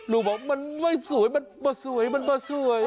ลูกบอกมันไม่สวยมันมาสวยมันบ่สวย